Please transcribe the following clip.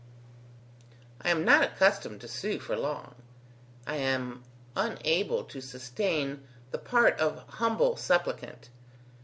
I am not accustomed to sue for long: I am unable to sustain the part of humble supplicant.